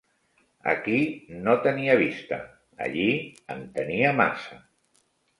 Aquí no tenia vista, allí en tenia massa;